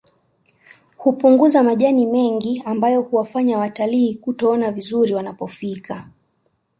Hkupunguza majani mengi ambayo huwafanya watalii kutoona vizuri wanapofika